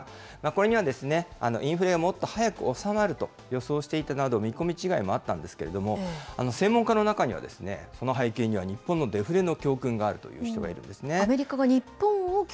これにはインフレ、早く収まるなどと予想していたなど、見込み違いもあったんですけど、専門家の中には、その背景には日本のデフレの教訓があると。